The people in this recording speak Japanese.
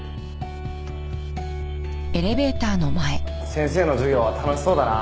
先生の授業は楽しそうだな。